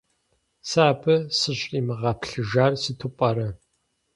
Сэ абы сыщӀримыгъэплъыжар сыту пӀэрэ?